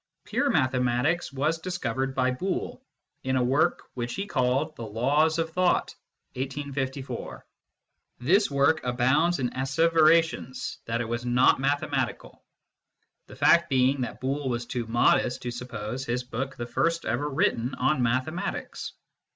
Pure mathematics was discovered by Boole, in a work which he called the Laws of Thought (1854). This work abounds in asseverations that it is not mathematical, the fact being that Boole was too modest to suppose his book the first ever written on mathematics.